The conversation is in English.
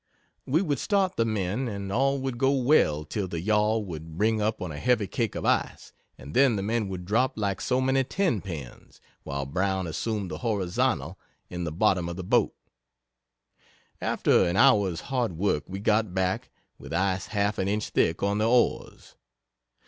We would start the men, and all would go well till the yawl would bring up on a heavy cake of ice, and then the men would drop like so many ten pins, while Brown assumed the horizontal in the bottom of the boat. After an hour's hard work we got back, with ice half an inch thick on the oars.